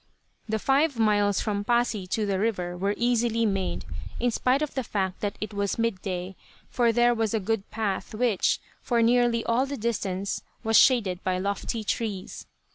The five miles from Pasi to the river were easily made, in spite of the fact that it was midday, for there was a good path, which, for nearly all the distance, was shaded by lofty trees.